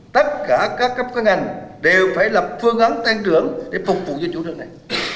tất cả các các ngành đều phải lập phương án tăng trưởng để phục vụ cho chủ trường này